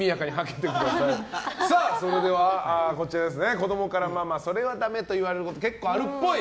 それでは、子供からママそれはダメと言われること結構あるっぽい。